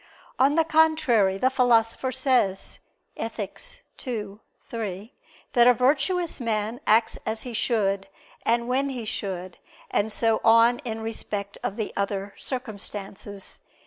On the contrary, the Philosopher says (Ethic. ii, 3) that a virtuous man acts as he should, and when he should, and so on in respect of the other circumstances.